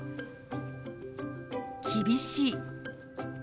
「厳しい」。